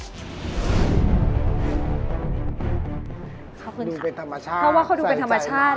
ขอบคุณค่ะเพราะว่าเขาดูเป็นธรรมชาติแล้วเขาดูเป็นธรรมชาติ